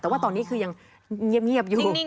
แต่ว่าตอนนี้คือยังเงียบอยู่